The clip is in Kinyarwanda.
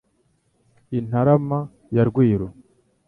I Ntarama ya Rwiru